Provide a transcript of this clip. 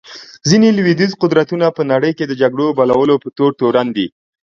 ځینې لوېدیځ قدرتونه په نړۍ کې د جګړو بلولو په تور تورن دي.